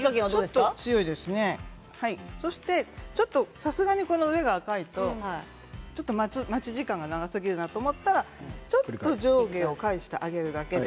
ちょっと強いですがさすがに上が赤いと待ち時間が長すぎるなと思ったらちょっと上下を返してあげるだけで。